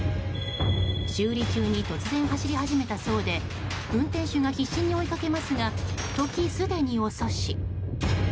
修理中に突然走り始めたそうで運転手が必死に追いかけますが時すでに遅し。